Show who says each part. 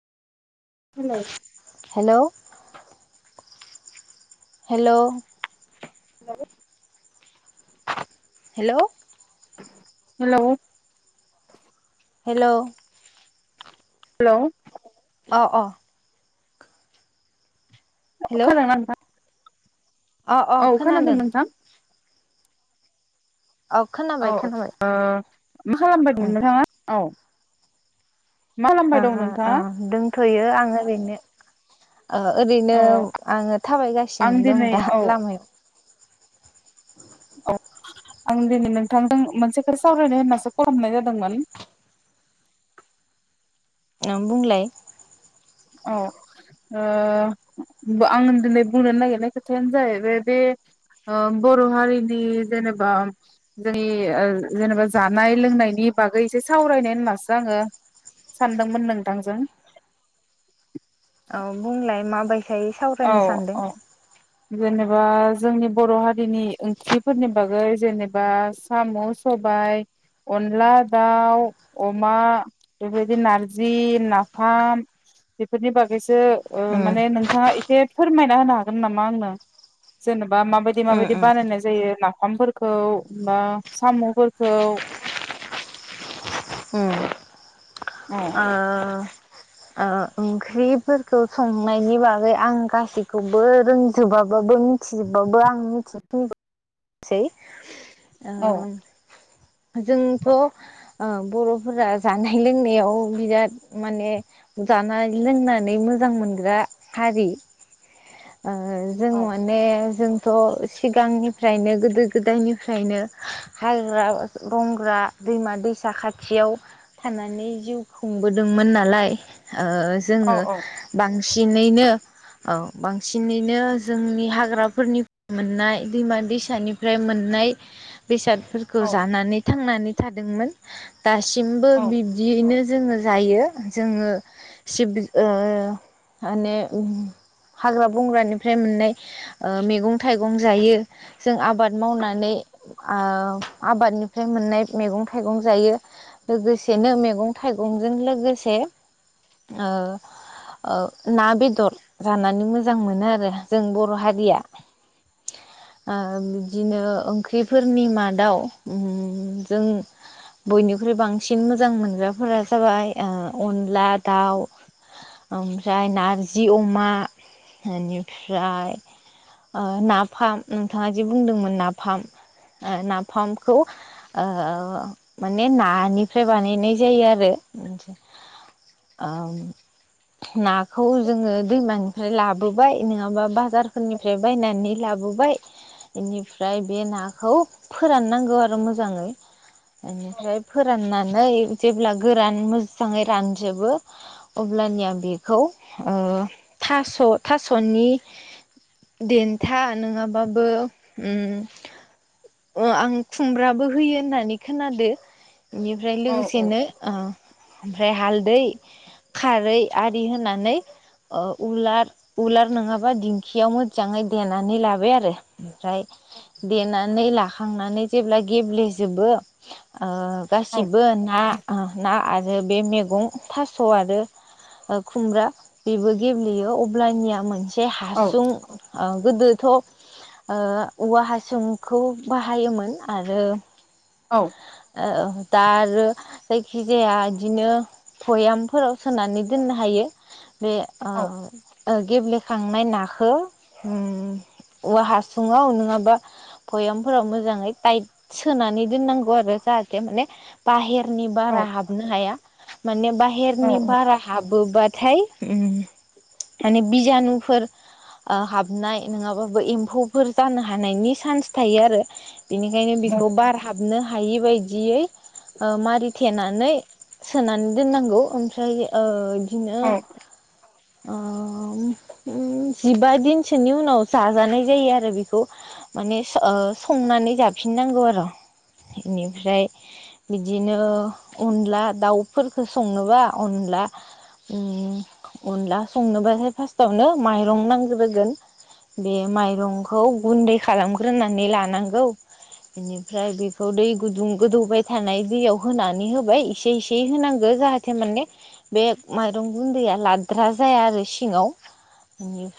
Speaker 1: हेल'
Speaker 2: [inaudible] hello
Speaker 1: hello
Speaker 2: hello.
Speaker 1: Hello.
Speaker 2: Hello.
Speaker 1: Hello.
Speaker 2: अ अ। हेल'
Speaker 1: [unintelligible]
Speaker 2: अ अ
Speaker 1: औ खोनादों नोंथां।
Speaker 2: अ
Speaker 1: औ
Speaker 2: खोनाबाय
Speaker 1: ओ।
Speaker 2: खोनाबाय
Speaker 1: मा खालामबाय
Speaker 2: उम
Speaker 1: दं नोंथाङा औ। मा [unintelligible] दं नोंथाङा।
Speaker 2: थ'यो आं ओरैनो। ओ ओरैनो
Speaker 1: औ
Speaker 2: आङो
Speaker 1: आं
Speaker 2: थाबायगासिनो दं
Speaker 1: दिनै
Speaker 2: दा
Speaker 1: औ
Speaker 2: लामायाव। [unintelligible]
Speaker 1: औ आं दिनै नोंथांजों मोनसे खोथा सावरायनो होननासो कल हरनाय जादोंमोन।
Speaker 2: [unintelligible] बुंलाय।
Speaker 1: औ ओ आं दिनै बुंनो नागिरनाय खोथायानो जाहैबाय बे ओ बर' हारिनि जेनेबा जोंनि ओ जेनेबा जानाय लोंनायनि बागै एसे सावरायनाय होननासो आङो सानदोंमोन नोंथांजों।
Speaker 2: औ बुंलाय माबाय हाय
Speaker 1: औ
Speaker 2: सावरायनो सानदों।
Speaker 1: औ जेनेबा जोंनि बर' हारिनि ओंख्रिफोरनि बागै जेनेबा साम सबाय अनला दाउ अमा बेबायदि नारजि नाफाम बेफोरनि बागैसो ओ
Speaker 2: उम
Speaker 1: माने नोंथाङा। से फोरमायना होनो हागोन नामा आंनो जेनेबा माबायदि
Speaker 2: उम
Speaker 1: माबायदि
Speaker 2: उम उम
Speaker 1: बानायनाय जायो नाफामफोरखौ बा साम'फोरखौ। अ।
Speaker 2: ओ बेफोरखौ संनायनि बागै आं गासैखौबो रोंजोबाबो। बो मिथिबाबो आं मिथि [unintelligible] सै।
Speaker 1: औ
Speaker 2: ओम। जोंथ ओ बर'फोरा जानाय लोंनायाव बिराद माने जानाय। लोंनानै मोजां मोनग्रा हारि। ओ जों
Speaker 1: औ
Speaker 2: माने जों। थ' सिगांनिफ्रायनो गोदो गोदायनिफ्रायनो हाग्रा रंग्रा दैमा दैसा खाथियाव थानानै जिउ खुंबोदोंमोन नालाय ओ
Speaker 1: औ
Speaker 2: जोङो बां सिनैनो औ बांसिनैनो जोंनि हाग्राफोरनि मोननाय दैमा दैसानिफ्राय मोननाय। बेसादफोरखौ
Speaker 1: औ
Speaker 2: जानानै थांनानै थादोंमोन। दासिमबो
Speaker 1: औ
Speaker 2: बिदियैनो। जोङो जायो जोङो। सिबि ओ माने उम हाग्रा बंग्रानिफ्राय मोननाय ओ मैगं थाइगं जायो जों आबाद मावनानै आ आबादनिफ्राय मोननाय मैगं थाइगं जायो लोगोसेनो मैगं थाइगंजों लोगोसे। ओ ओ ना बेदर जानानै मोजां मोनो आरो जों बर' हारिया ओ बिदिनो ओंख्रिफोरनि मादाव उम्म जों बयनिख्रुइ बांसिन मोजां मोनग्राफोरा जाबाय ओ अनला दाउ ओमफ्राय नारजि अमा एनिफ्राय ओ नाफाम नोंथाङा जि बुंदोंमोन नाफाम नाफामखौ ओ माने नानिफ्राय बानायनाय जायो आरो ओम नाखौ जोंङो दैमानि फ्राय लाबोबाय नङाबा बाजारफोरनिफ्राय बायनानै लाबोबाय बेनिफ्राय बे नाखौ फोराननांगौ आरो मोजाङै बेनिफ्राय फोरानना नै जेब्ला गोरान मोजाङै रानजोबो अब्लानिया बेखौ ओ थास थासनि देन्था नङाबाबो उम ओ आं खुमब्राबो होयो होननानै खोनादो बेनिफ्राय लोगोसेनो ओ ओमफ्राय हालदै खारै आरि होनानै ओ उलार उलार नङाबा दिंखियाव मोजाङै देनानै लाबाय आरो ओमफ्राय देनानै ला खांनानै जेब्ला गेब्लेजोबो ओ
Speaker 1: औ
Speaker 2: गासिबो ना ओ ना आरो आरो बे मेगं थास आरो ओ खुमब्रा बेबो गेब्लेयो अब्लानिया मोनसे जे हासुं ओ गोदोथ ओ औवा हासुंखौ बाहायोमोन आरो
Speaker 1: औ
Speaker 2: ओ दा आरो जायखि जाया बिदिनो भयामफोराव सोनानै दोननो हायो बे ओ ओ गेब्लेखांनाय नाखौ उम औवा हासुङाव नङाबा भयामफोराव मोजाङै टाइट सोनानै दोननांगौ आरो जाहाथे माने बाहेरनि बारा हाबनो हाया बाहेरनि बारा हाबो बाथाय उम माने बिजानुफोर ओ हाबनाय नङाबाबो एम्फौफोर जानो हानायनि सान्स थायो आरो बिनिखायनो
Speaker 1: औ
Speaker 2: बिखौ बार हाबनो हायि बाय दियै ओ मारि थेनानै सोनानै दोननांगौ ओमफ्राय ओ बि दिनो
Speaker 1: औ औ
Speaker 2: ओ उम जिबा दिनसोनि उनाव जाजानाय जायो आरो बेखौ माने स ओ संनानै जाफिननांगौ आरो इनिफ्राय बिदिनो ओ अनला दाउ फोरखौ संनोबा अनला उम अनला संनोबाथाय फार्स्टआवनो माइरं नांग्रोगोन बे माइरंखौ गुन्दै खालामग्रोनानै लानांगौ बेनिफ्राय बेखौ दै गुदुं गोदौबाय थानाय दैयाव होनानै होबाय एसे एसे यै होनांगौ जाहाथे माने बे माइरं गुन्दैया लाद्रा जाया आरो सिङाव